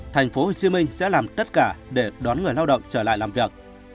tp hcm sẽ làm tất cả để đón người lao động trở lại làm việc